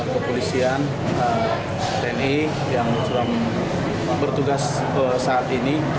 kepolisian tni yang sudah bertugas saat ini